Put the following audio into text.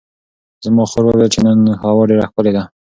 زما خور وویل چې نن هوا ډېره ښکلې ده.